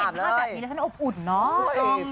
ว่าจะเห็นผ้าแบบนี้ละเส้นอบอุดเนอะ